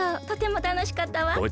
とてもたのしかったわ。